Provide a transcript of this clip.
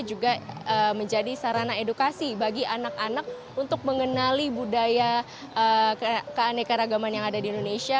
juga menjadi sarana edukasi bagi anak anak untuk mengenali budaya keanekaragaman yang ada di indonesia